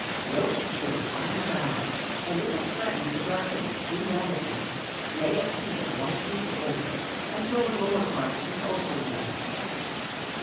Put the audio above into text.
Roast to a fine brown, and if it threaten to darken too rapidly, lay a sheet of white paper over it until the lower part is also done.